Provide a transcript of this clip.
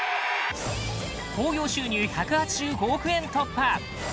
興行収入１８５億円突破！